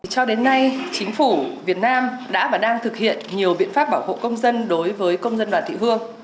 cho đến nay chính phủ việt nam đã và đang thực hiện nhiều biện pháp bảo hộ công dân đối với công dân đoàn thị hương